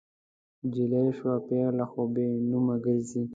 نجلۍ شوه پیغله خو بې نومه ګرزي